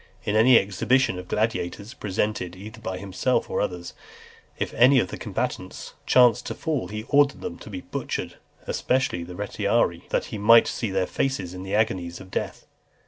In any exhibition of gladiators, presented either by himself or others, if any of the combatants chanced to fall, he ordered them to be butchered, especially the Retiarii, that he might see their faces in the agonies of death.